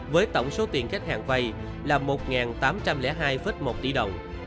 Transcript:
với tổng số tiền khách hàng vay là một tám trăm linh hai một tỷ đồng